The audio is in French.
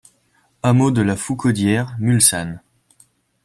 Hameau de la Foucaudière, Mulsanne